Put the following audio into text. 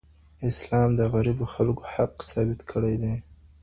اسلام د غریبو خلګو حق ثابت کړی دی.